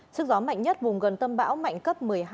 sức gió mạnh nhất vùng gần tâm bão mạnh cấp một mươi hai